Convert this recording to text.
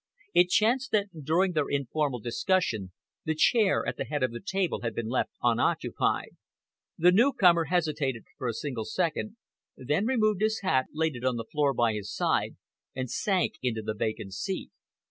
It chanced that during their informal discussion, the chair at the head of the table had been left unoccupied. The newcomer hesitated for a single second, then removed his hat, laid it on the floor by his side, and sank into the vacant seat.